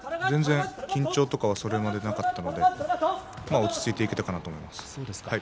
全然緊張とかはそれまでなかったのでまあ落ち着いていけたかなと思います。